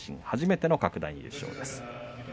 初めての各段優勝です。